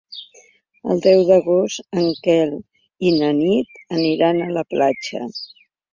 El deu d'agost en Quel i na Nit aniran a la platja.